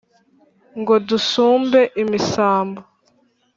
ngo dusumbe ibisambo